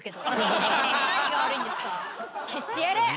消してやる！